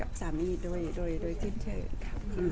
แต่ว่าสามีด้วยคือเราอยู่บ้านเดิมแต่ว่าสามีด้วยคือเราอยู่บ้านเดิม